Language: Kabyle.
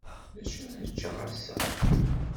D acu ara ččeɣ ass-a?